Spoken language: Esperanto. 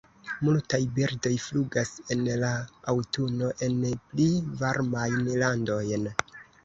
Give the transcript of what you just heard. Multaj birdoj flugas en la aŭtuno en pli varmajn landojn.